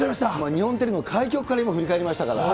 日本テレビの開局から今、振り返りましたからね。